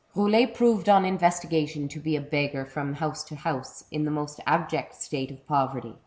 Roulet proved on investigation to be a beggar from house to house, in the most abject state of poverty.